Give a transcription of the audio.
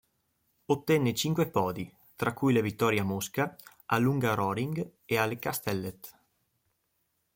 Ottenne cinque podi, tra cui le vittorie a Mosca, all'Hungaroring e a Le Castellet.